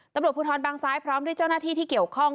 ตำรวจภูทรบางซ้ายพร้อมด้วยเจ้าหน้าที่ที่เกี่ยวข้อง